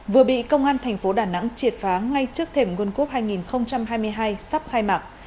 vừa bị công an thành phố đà nẵng triệt phá ngay trước thềm world cup hai nghìn hai mươi hai sắp khai mạc